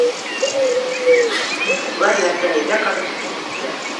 Улар, һәнәктәрен ергә ҡаҙап, ситкә киттеләр